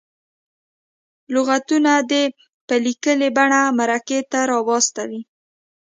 لغتونه دې په لیکلې بڼه مرکې ته راواستوي.